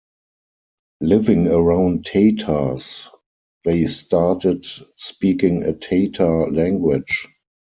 Living around Tatars, they started speaking a Tatar language.